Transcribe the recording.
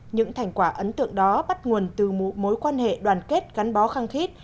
những thành quả ấn tượng đó bắt nguồn từ mối quan hệ đoàn kết gắn bó khăng khít